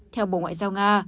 theo bộ ngoại giao nga